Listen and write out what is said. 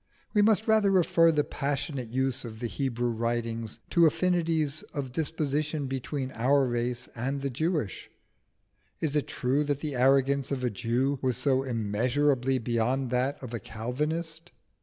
We must rather refer the passionate use of the Hebrew writings to affinities of disposition between our own race and the Jewish. Is it true that the arrogance of a Jew was so immeasurably beyond that of a Calvinist?